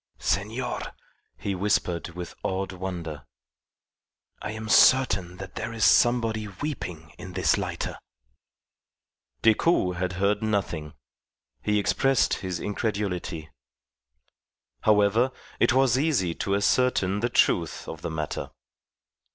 "Senor," he whispered with awed wonder, "I am certain that there is somebody weeping in this lighter." Decoud had heard nothing. He expressed his incredulity. However, it was easy to ascertain the truth of the matter.